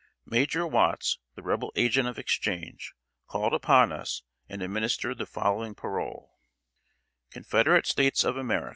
] Major Watts, the Rebel Agent of Exchange, called upon us and administered the following parole: CONFEDERATE STATES OF AMERICA.